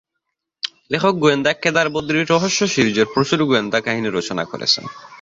লেখক গোয়েন্দা কেদার-বদ্রী রহস্য সিরিজের প্রচুর গোয়েন্দা কাহিনী রচনা করেছেন।